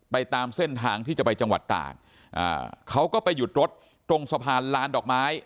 ตามเส้นทางที่จะไปจังหวัดตากอ่าเขาก็ไปหยุดรถตรงสะพานลานดอกไม้